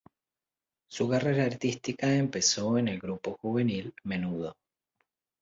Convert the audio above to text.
Su carrera artística empezó en el grupo juvenil Menudo.